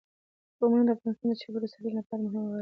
قومونه د افغانستان د چاپیریال ساتنې لپاره ډېر مهم او اړین دي.